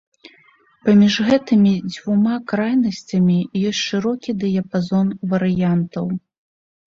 Паміж гэтымі дзвюма крайнасцямі ёсць шырокі дыяпазон варыянтаў.